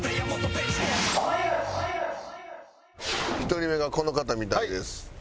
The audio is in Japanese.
１人目がこの方みたいです。